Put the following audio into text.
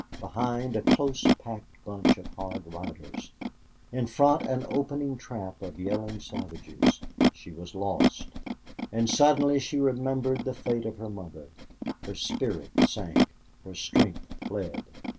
Behind a close packed bunch of hard riders. In front an opening trap of yelling savages. She was lost. And suddenly she remembered the fate of her mother. Her spirit sank, her strength fled.